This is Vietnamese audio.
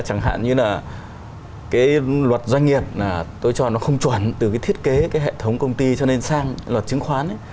chẳng hạn như là cái luật doanh nghiệp là tôi cho nó không chuẩn từ cái thiết kế cái hệ thống công ty cho nên sang luật chứng khoán